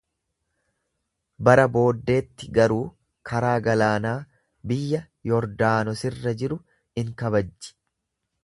Bara booddeetti garuu karaa galaanaa, biyya Yordaanosirra jiru in kabajji.